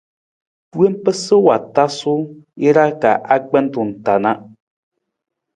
Wompa sa wa tasu jara ka agbentung ta na.